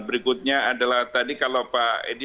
berikutnya adalah tadi kalau pak edi